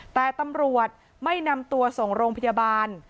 แต่ตำรวจไม่นำตัวส่งโรงพยาบาล